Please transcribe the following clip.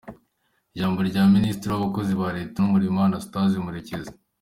Ijambo rya Minisitiri w’Abakozi ba Leta n’Umurimo Anastase Murekezi